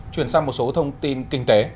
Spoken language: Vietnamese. chuyển sang một số thông tin kinh tế